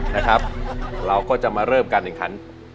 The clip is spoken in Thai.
นะครับเราก็จะมาเริ่มกัน